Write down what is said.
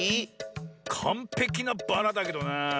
かんぺきなバラだけどなあ。